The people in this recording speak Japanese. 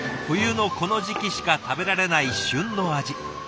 冬のこの時期しか食べられない旬の味。